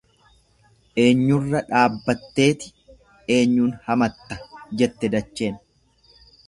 Eenyurra dhaabbatteeti eenyuun hamatta, jette dacheen.